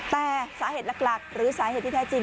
แต่สาเหตุหลักหรือสาเหตุที่แท้จริง